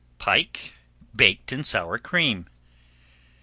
PIKE BAKED IN SOUR CREAM.